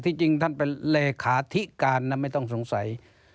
จริงท่านเป็นเลขาธิการนะไม่ต้องสงสัย